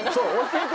教えて！